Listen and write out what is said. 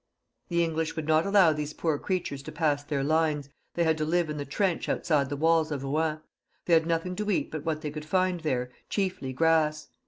The English would not allow these poor creatures to pass their lines ; they had to live in the trench outside the walls of Eouen. They had nothing to eat but what they could find there, chiefly grass.